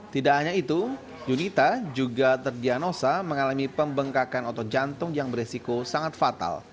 tidak hanya itu yunita juga terdianosa mengalami pembengkakan otot jantung yang beresiko sangat fatal